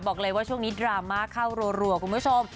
บอกเลยว่าช่วงนี้ดราม่าเข้ารัวคุณผู้ชม